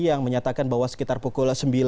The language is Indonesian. yang menyatakan bahwa sekitar pukul sembilan